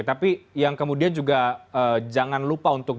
tapi yang kemudian juga jangan lupa untuk